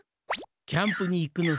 キャンプにいくのさ。